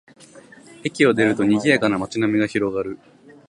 駅を出ると、にぎやかな街並みが広がる